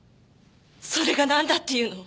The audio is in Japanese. それがなんだっていうの？